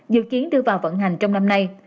dự kiến đưa vào vận hành trong năm nay